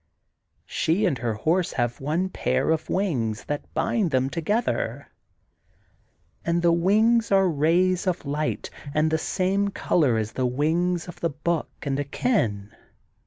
She and her horse have one pair of wings that bind them together, and the wings are rays of light and the same color as the wings of the book and akin.